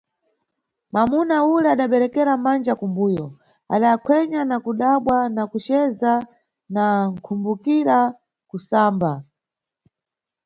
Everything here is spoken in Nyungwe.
Mwamuna ule adaberekera manja ku mbuyo, adayakhwenya na kudabwa na kuzeza na nkhumbukira, kusamba.